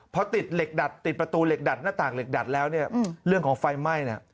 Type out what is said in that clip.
พอติดเหล็กดัดติดประตูเหล็กดัดหน้าต่างเหล็กดัดแล้วเนี่ยเรื่องของไฟไหม้เนี่ย